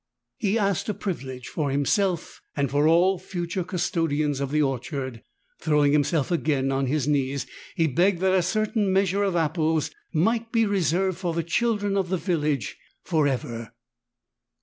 He asked a privilege for himself and for all future cus todians of the orchard. Throwing himself again on his knees, he begged that a certain measure of apples might be reserved for the children of the village — for ever.